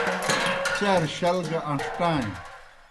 چار شل گہ اݩݜٹائیں۔